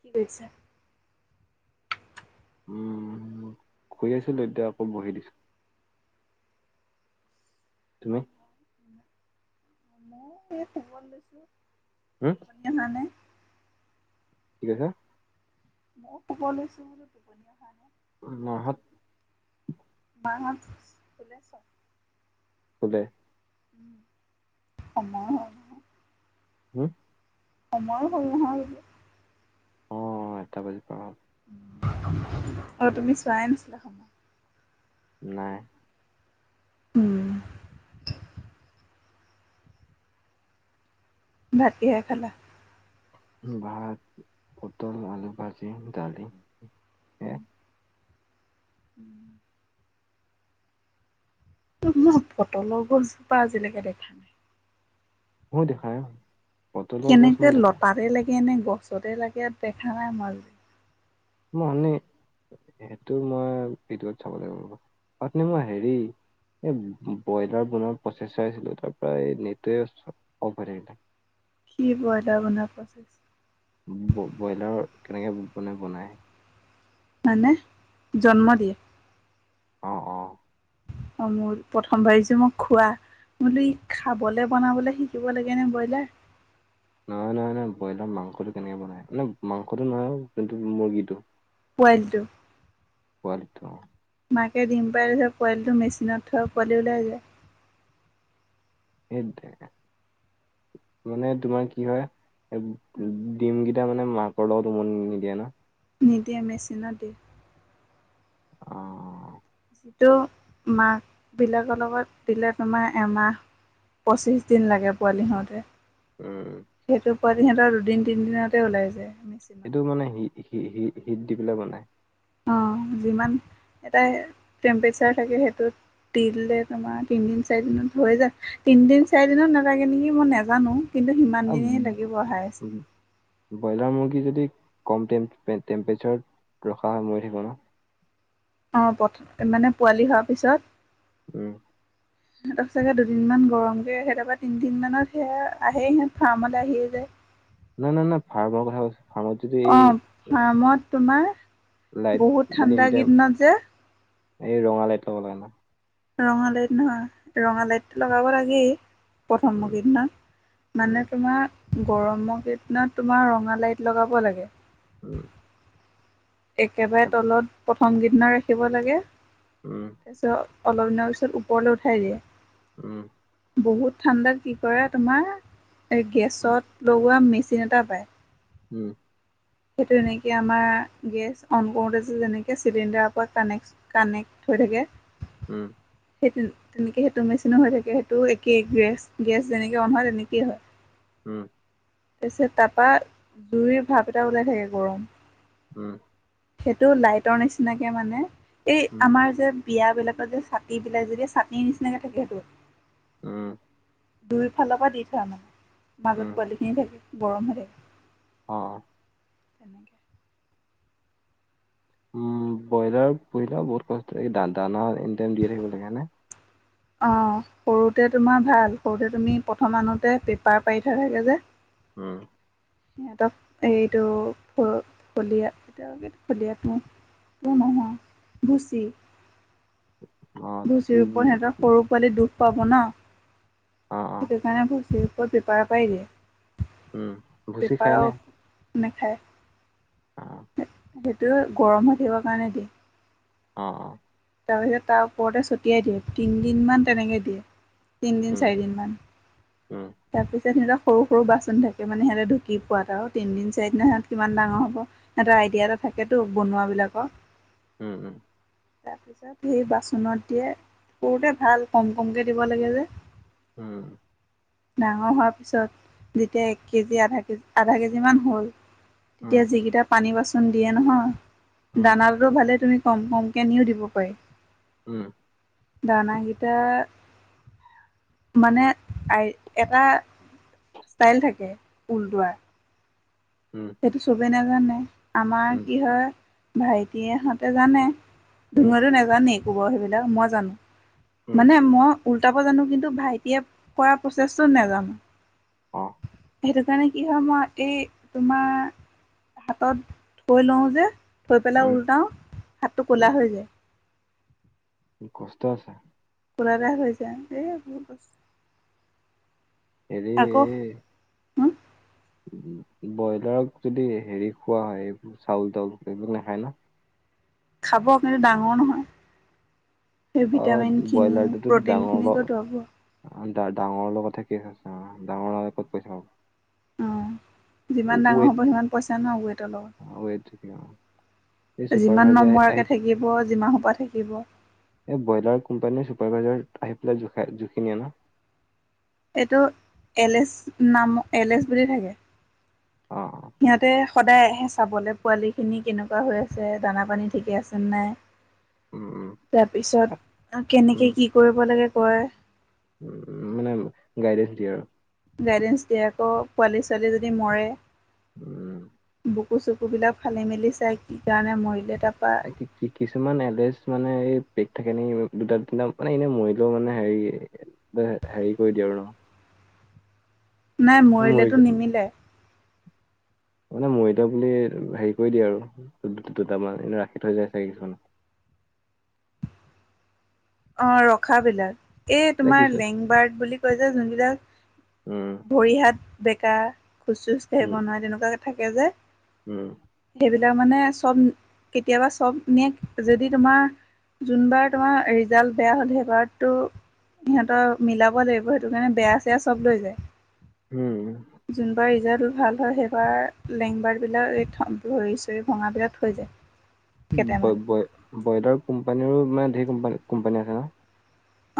কি কৰিছা? উম, শুই আছিলোঁ এতিয়া আকৌ বহি দিছোঁ। তুমি? [unintelligible] হু? আহানে? কি কৈছা? মই শুৱ লৈছো বোলো। মা হত মাহত শুলে চাগে। শুলে? সময় হ'ল নহয় হুম সময়ো হ'ল নহয় এতিয়া। আঠটা বাজি পাৰ হ'ল। আৰু তুমি চোৱাই নাছিলা সময়। নাই। উম। ভাত কিহেৰে খালা। ভাত, পটল, আলু ভাজি, দালি। হে উম উম। ত মই পটলৰ গছজোপা আজিলৈকে দেখা নাই মইও দেখা নাই। পটলৰ গছ কেনেকে মই দেখা নাই লতাতে লাগে নে গছতে লাগে দেখা নাই মই। মই সেইটো মই ভিডিঅত চাব লাগিব ৰবা, উঠনি মই হেৰি এই ব্ৰইলাৰ বনোৱাৰ প্ৰচেছ আছিলো তাৰ পৰা নেটয়ে অ'ফ হৈ থাকিলে। কি ব্ৰইলাৰ বনাব প্ৰচেছ? ব্ৰইলাৰ কেনেকে মানে বনায় মানে, জন্ম দিয়ে অঁ অঁ। অঁ মোৰ, প্ৰথম ভাবিছোঁ মোক খোৱা বোলো ই খাবলৈ বনাবলৈ শিকিব লাগেনে ব্ৰইলাৰ নহয় -নহয় -নয় ব্ৰইলাৰ মাংসটো কেনেকে বনাই মানে মাংসটো নহয় যোনটো মুৰ্গীটো পোৱালিতো। পোৱালিটো অঁ। মাকে ডিম পাৰে ছত পোৱালিটো মেচিনত থোৱা পোৱালি ওলাই যায়। ধেৎ তেৰিকা মানে তোমাৰ কি হয় উ ডিমকেইটা মানে মাকৰ লগত উমনি নিদিয়ে ন? নিদিয়ে মেচিনত দি অঁ অঁ। যিটো মাক বিলাকৰ লগত দিলে তোমাৰ এমাহ পঁচিছ দিন লাগে পোৱালি হওঁতে। উম। সেইটো পোৱালি সিহঁতৰ দুদিন তিন দিনতে ওলাই যায় মেচি সেইটো মানে হি হি হিট দি পেলাই বনাই অ' যিমান এটা টেম্পৰেচাৰ থাকে সেইটোত দি দিলে তোমাৰ তিনিদিন চাৰিদিনত হৈ যায়, তিনিদিন চাৰিদিন নালাগে নেকি মই নাজানোঁ। কিন্তু সিমান আৰু দিনেই লাগিব হায়েষ্ট। ব্ৰইলাৰ মুৰ্গী যদি কম টেম্পৰেচাৰত ৰখা হয় মৰি থাকিব ন'? অ' পত মানে পোৱালি হোৱাৰ পিছত উম। সিহঁত চাগে দুদিনমান গৰম কে সেইয়াই তিনিদিনমানত সেয়া আহে সিহঁত ফাৰ্মলৈ আহিয়ে যায় নাই- নাই -নাই ফাৰ্মৰ কথা কৈছো ফাৰ্মাৰ অঁ ফাৰ্মত তোমাৰ, লাইট বহুত যদি এনি ঠাণ্ডা টাইম কেইদিনত যে এই ৰঙালাইট লব লাগে ন? ৰঙালাইট নহয় ৰঙালাইট লগাব লাগেই উম প্ৰথমমুখীৰ দিনা। উম মানে তোমাৰ গৰমকেইদিনত তোমাৰ ৰঙা লাইট লগাব লাগে। উম একেবাৰে তাকে তলত প্ৰথম কেইদিনা ৰাখিব লাগে। উম তাৰপিছত অলপ দিনৰ পিছত ওপৰলৈ উঠাই দিয়ে। উম বহুত ঠাণ্ডাত কি কৰে তোমাৰ এই উম গেছত লগোৱা মেচিন এটা পায় উম সেই তেনেকে আমাৰ গেছ অন কৰোঁতে যে যেনেকে চিলিণ্ডাৰৰ পৰা কানেক্ট কানেক্ট হৈ থাকে। উম সেইটো তেনেকে সেইটো মেচিনো হৈ থাকে সেইটো একেই গেছ-গেছ যেনেকে অন হয় তেনেকেই হয়। উম তাৰপিছত তাৰপা জুইৰ ভাপ এটা ওলাই থাকে গৰম। উম সেইটো লাইটৰ নিচিনাকে মানে এই উম, আমাৰ যে বিয়া বিলাকত যে ছাতি বিলাক যে ছাতিৰ নিচিনাকে থাকে সেইটো। উম দুই ফালৰ পৰা দি থোৱা না উম, মাজত পোৱালি খিনি থাকে গৰম হৈ থাকে। অ' [inaudible] উম ব্ৰইলাৰ পুহিলে বহুত কষ্ট এই দানাএনি‌ টাইম দিয়ে থাকিব লাগে হয়নে। অ' সৰুতে তোমাৰ ভাল সৰুতে তুমি প্ৰথম আনোতে পেপাৰ পাৰি থোৱা থাকে যে উম সিহঁতক এইটো [unintelligible] [unintelligible] নহয় ভুচি। অ', ভুচিৰ ওপৰত সিহঁতক সৰু পোৱালি দুখ পাব ন'। অ', অ', সেইটো কাৰণে ভুচিৰ ওপৰত পেপাৰ পাৰি দিয়ে। উম, ভুচি খায়নে? পেপাৰৰ নেখায়। অ', সেইটো গৰম হৈ থাকিবৰ কাৰণে দিয়ে। অ'-অ' তাৰপিছত তাৰ ওপৰতে ছটিয়াই দিয়ে উম, তিনিদিনমান তেনেকে দিয়ে তিনিদিন উম, চাৰিদিন মান। উম, তাৰ পিছত সিহঁতৰ সৰু সৰু বাচন থাকে মানে সিহঁতে ঢুকি পোৱাকে আৰু তিনদিন চাৰিদিন সিহঁত কিমান ডাঙৰ হ'ব। এটা আইডিয়া এটা থাকেতো বনোৱা বিলাকৰ। উম-উম তাৰপিছত সেই বাচনত দিয়ে সৰুতে ভাল কম কমকে দিব লাগে যে। উম ডাঙৰ হোৱাৰ পিছত যেতিয়া এক কেজি আধা কেজি আধা কেজিমান হ'ল। উম, তেতিয়া যিকেইটা পানী বাচন দিয়ে নহয় উম, দানা ভালে তুমি কম কমকৈ নিও দিব পাৰি। উম দানাকিটা মানে আই এটা ষ্টাইল থাকে ওলটোৱা উম সেইটো চবেই নাজানে আমাৰ উম, কি হয় ভাইটিয়েহঁতে জানে। উম, ধুনুয়েটো নোজানেই গোবৰ সেইবিলাক মই জানোঁ উম, মানে মই উলটাব জানোঁ কিন্তু ভাইটিয়ে কৰা প্ৰচেছটো নাজানোঁ। অ' সেইটো কাৰণে কি হয় মই এই তোমাৰ হাতত থৈ লঁও যে। থৈ পেলাই উম, ওলটাও হাতটো ক'লা উম, হৈ যায়। কষ্ট আছে খুলাতে শেষ হৈ যায় এই এইবোৰ বস্তু এৰি আকৌ হুম ব্ৰইলাৰক যদি হেৰি খোৱা হয় এইবোৰ চাউল তাউল কিবা কিবি নাখায় ন খাব কিন্তু ডাঙৰ নহয় সেই অ', ভিটামিন খিনি প্ৰটিন খিনি কত পাব ডা ডাঙৰ লগত থাকি আচে অ ডাঙৰ নহলে ক'ত পইচা পাব অহ যিমান ডাঙৰ হ'ব সিমান পইচা ন ৱেটৰ লগত অ ৱেত থাকিলে অহ যিমান নমৰাকে থাকিব যিমান সোপা থাকিব এই ব্ৰইলাৰ কোম্পানীৰ চুপাৰভাইজাৰ আহি পেলাই জোখ জোখি নিয়ে ন এইটো এলেছ নাম এলেচ বুলি থাকে অ অ সিহঁতে সদায়ে চাবলে পোৱালি খিনি কেনেকুৱা হৈ আছে দানা পানী ঠিকেই আছেনে নাই [inaudible] উম তাৰপিছত কেনেকে কি কৰিব লাগে কয় উ মানে গাইডেন্স দিয়ে আৰু গাইডেন্স দিয়ে আকৌ পোৱালী ছোৱালী যদি মৰে উম বুকু চুকু বিলাক ফালি মেলি চাই কি কাৰণে মৰিলে তাপা কি কি কিছুমান এলেজ মানে এই পেক থাকে নে দুটা তিনটা মানে এনে মৰিলেও মানে হেৰি এ হেৰি কৰি দিয়ে আৰু ন নাই মৰি মৰিলেতো যাম নিমিলে মানে মৰিলে বুলি হেৰি কৰি দিয়ে আৰু দু দুটামান এনে ৰাখি থৈ যায় চাগে কিছুমান অ ৰখাবিলাক এই কিছুমান এ তোমাৰ কিছু লেংবাৰ্ড বুলি কয় যে উম যোনবিলাক ভৰি হাত বেকা খোজ চোজ উম কাঢ়িব নোৱাৰে তেনেকুৱা থাকে যে উম সেইবিলাক মানে চব কেতিয়াবা চব নিয়ে যদি তোমাৰ যোনবাৰ তোমাৰ ৰিজাল্ট বেয়া হল সেইবাৰতো সিহঁতৰ মিলাব লাগিব সেইটো কাৰণে বেয়া চেয়া চব লৈ যায় উম যোনবাৰ ৰিজাল্ট ভাল হয় সেইবাৰ লেংবাৰবিলাক এই ভৰি চৰি ভঙাবিলাক থৈ যায় ব কেইটামান ব্ৰইলাৰ কোম্পানীৰো মানে ঢেৰ কোম্পানী কোম্পানী আছে ন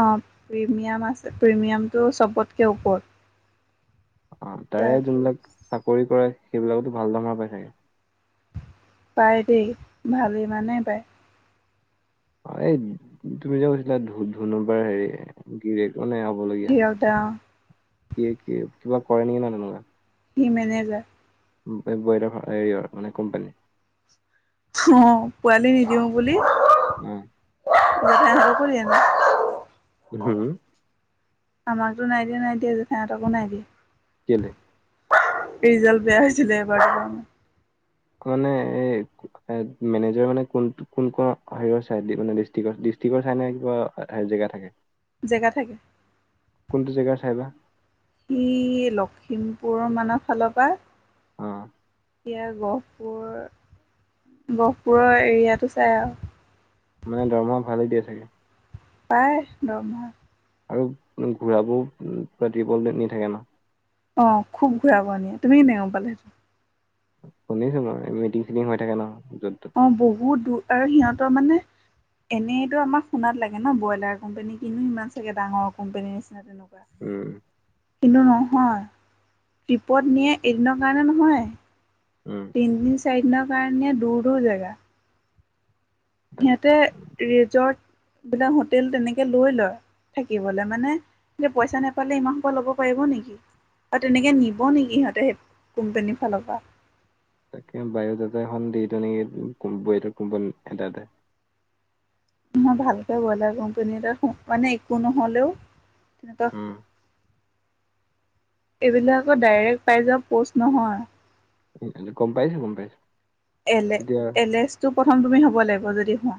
অ প্ৰিমিয়াম আছে প্ৰিমিয়ামটো চবতকে ওপৰত অ তাৰে যোনবিলাক তাৰপিছ চাকৰি কৰে সেইবিলাকতো ভাল দাৰমহা পাই চাগে পায় দেই ভালেমানেই পায় অ এই তুমি যে কৈছিলা ধ ধুনুবাৰ হেৰি গিৰিয়েক মানে হব লগীয়া, হিৰক দা কি কি কিবা কৰে নেকি ন তেনেকুৱা? সি মেনেজাৰ ব্ৰইলা হেৰিয়ৰ মানে কোম্পানী। অ পোৱালি নিদিওঁ বুলি। অ। [unintelligible] হুম আমাকতো নাই দিয়ে নাই দিয়া জেঠাই সহঁতকো নাই দিয়া কেলে ৰিজাল্ট বেয়া হৈছিলে এবাৰটো কাৰণে মানে এ মেনেজাৰ মানে কোন কোন ক হেৰিয়ৰ চাই মানে ডিষ্ট্ৰিক্টৰ টিক চাইনা কি ক জেগা থাকে। জেগা থাকে। কোনটো জেগাৰ চাই বা সি লখিমপুৰ মানৰ ফালৰ পা। অ। এতিয়া গহপুৰ গহপুৰৰ এৰিয়াটো চাই অহ। মানে দৰমহা ভালে দিয়ে চাগে? পায় দৰমহা। আৰু ঘূৰাবও পাতিবলে নি থাকে ন। অ খুব ঘূৰে নিয়ে। তুমি কেনে গম পালে সেইটো। শুনিছো মই মিটিং চিটিং হৈ থাকে ন য'ত ত'ত। অ বহুত দূৰ আৰু সিহতৰ মানে। এনেইতো আমাক শুনাত লাগে ন ব্ৰইলাৰ কোম্পানী কিনো ইমান চাগে ডাঙৰ কোম্পেনীৰ নিচিনা তেনেকুৱা। উম। কিন্তু নহয়, ট্ৰিপত নিয়ে এদিনৰ কাৰণে নহয়। উম। তিনিদিন চাৰিদিনৰ কাৰণে দূৰ দূৰ জেগা। তাক সিহঁতে ৰিজৰ্ট বিলাক হোটেল তেনেকে লৈ লয়। থাকিবলে মানে যে পইচা নেপালে ইমান সূপা ল'ব পাৰিব নেকি? আৰু তেনেকে নিব নেকি সিহঁতে সেই কোম্পেনী ফাল পা? তাকে বায়দাটা এখন দি তেনেকে কুম্পো এটা কোম্পানী এটাতে মই ভালকে ব্ৰইলাৰ কোম্পানী এটা মানে একো নহলেও তেনেকুৱা উম এইবিলাকৰ ডাইৰেক্ট পাই যাওঁ প'ষ্ট নহয়। গম পাইছো গম পাইছো। এলে তেতিয়া এলেচটো প্ৰথম তুমি হ'ব লাগিব যদি হোৱা।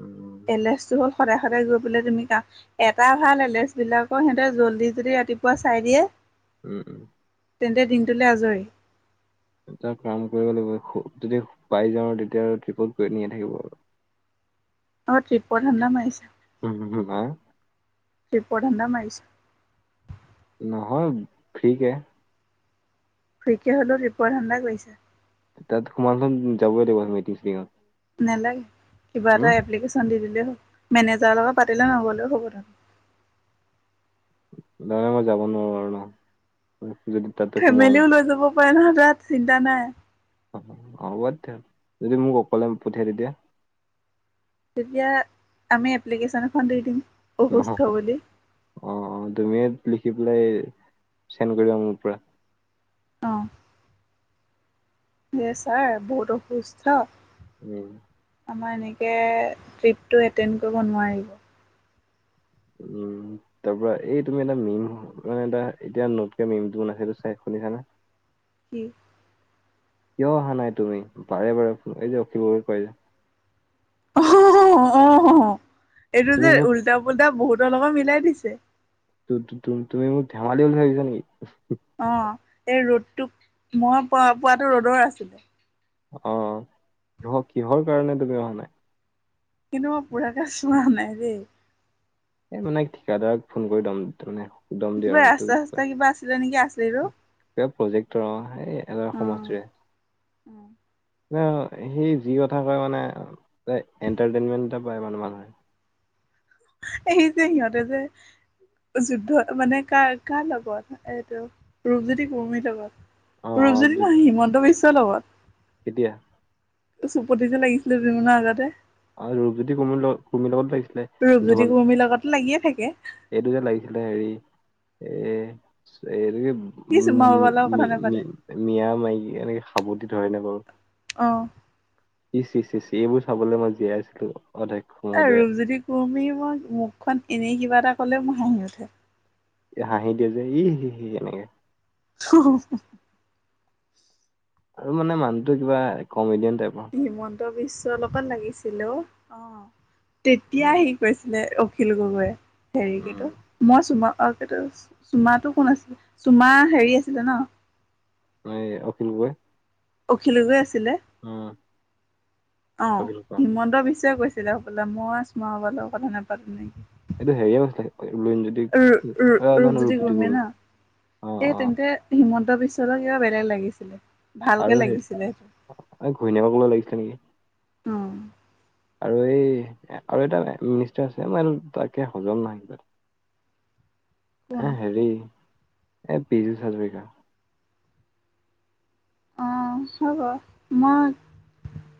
উম এলেচটো হ'ল সদায় সদায় গৈ পেলাই তুমি কা- এটা ভাল এলেচ বিলাকৰ সিহঁতে জল্দি যদি ৰাতিপুৱা চাই দিয়ে। উম উম। তেন্তে দিনটোলে আজৰি। এটা কাম কৰিব লাগিব। যদি পাই যাওঁ তেতিয়া আৰু ট্ৰিপত গৈ নিয়ে থাকিব আৰু। অ ত্ৰিপৰ ধাণ্ডা মাৰিছা? উম হো হো হা। ট্ৰিপৰ ধান্দা মাৰিছ? নহয় ফ্ৰী কে। ফ্ৰীকে হ'লেও ট্টিপৰ ধান্দা কৰিছাঁ। তাত হোমা হুম যাবই লাগিব মিটিং চিটিংত। নেলাগে, এটা এপ্লিকেশন দি দিলে হল। মেনেজাৰৰ লগত পাতিলে নগ'লেও হ'ব তাত। নাই মই যাব নোৱাৰো আৰু ন। যদি তাত। ফেমিলিও লৈ যাব পাৰে নহয় তাত চিন্তা নাই। অ হ'ব তেতিয়া হ'লে যদি মোক অকলে পঠিয়াই তেতিয়া তেতিয়া আমি এপ্লিকেশ্যন এখন দি দিম অসুস্থ বুলি৷ অ-অ তুমিয়ে লিখি পেলাই চেণ্ড কৰিবা মোৰ পৰা৷ অ যে ছাৰ বহুত অসুস্থ উম। আমাৰ এনেকে ট্ৰিপটো এটেণ্ড কৰিব নোৱাৰিব। উম। তাৰ পৰা এই তুমি এটা মিম এটা এতিয়া নোতকে মিমটো বনাইছে এইটো চাই শুনিছানে? কি? কিয় অহা নাই তুমি? বাৰে বাৰে এই যে অখিবও কয় যে। [unintelligible] অ হ-হ। এইটো তুমি যে মোক উল্টা পুল্টা বহুতৰ লগত মিলাই দিছে। তু-তু-তু তুমি মোক ধেমালি বুলি ভাবিছা নেকি? অ এই ৰ'দটোক মই প পোৱাটো ৰ'দৰ আছিলে। অ কিহ কিহৰ কাৰণে তুমি অহা নাই কিন্তু মই পুৰাকে চোৱা নাই দেই৷ এই মানে ঠিকাদাৰক ফোন কৰি দম তাৰ মানে দম দিয়া কিবা আৰু সেইটো ৰাস্তা চাস্তা কিবা আছিলে নেকি আচলিটো? কিবা প্ৰজেক্টৰ অ সেই এওৰ সমষ্টিৰে৷ উম সেই সি যি কথা কয় মানে এণ্টাৰটেইনমেন্ট এটা পায় মানে মানুহে৷ সি যে সিহঁতে যে যুদ্ধটো মানে কাৰ-কাৰ লগত এইটো ৰূপজ্যোতি কুৰ্মীৰ লগত৷ অ অ ৰূপজ্যোতি যদি নহয় হিমন্ত বিশ্বৰ লগত৷ কেতিয়া? চুপতি যে লাগিছিলে দুদিনমানৰ আগতে৷ আৰু ৰূপজ্যোতি কুৰ্মী কুৰ্মীৰ লগত লাগিছিলে৷ ৰূপজ্যোতি ধন কুৰ্মীৰ লগত লাগিয়ে থাকে৷ এইটো যে লাগিছিলে হেৰি এ এইটো কি সি উ চুমা মি বাবাৰ লগত - মি কথা - মি নাপাতে মিয়া মাইকী এনেকে সাবতি ধৰে নে বাৰু! অ ই চি - চি - চি এইবোৰ চাবলৈ মই জীয়াই আছিলো অধ্য এ ৰূপজ্যোতি কুৰ্মীৰ মই মুখখন এনেই কিবা এটা কলে মোৰ হাঁহি উঠে৷ হাঁহি দিয়ে যে ই সি-সি এনেকে [unintelligible] আৰু মানে মানুহটো কিবা কমেডিয়ান টাইপৰ৷ হিমন্ত বিশ্ব লগত লাগিছিলে অ তেতিয়া উম সি কৈছিলে অখিল গগৈয়ে হেৰি কি টো উম মই চুমা অ কি টো চুমাটো কোন আছিলে চুমা হেৰি আছিলে ন? এ অখিল গগৈ৷ অখিল গগৈ আছিলে উম অ অখিল গগৈ হিমন্ত বিশ্বয়ে কৈছিলে কৈছিলে হ'বলা মই চুমা বাবাৰ লগত কথা নাপাতো নে কি! এইটো হেৰিয়ে কৈছিলে লুৰিনজ্যোতি [unintelligible] ৰূপ-ৰূপ ৰূপজ্যোতি কুৰ্মীয়ে ন, অ এই অ তেন্তে হিমন্ত বিশ্বৰ কিবা বেলেগ লাগিছিলে ভালকে লাগিছিলে সেইটো৷ অ ঘৈনীয়েকলৈ লাগিছিলে নেকি! অ আৰু এই আৰু এটা মিনিষ্টাৰ আছে মই তাকে হজম নহয় কিবা৷ কোন এ হেৰি এ পিজুচ হাজৰিকা অ চব মই [unintelligible]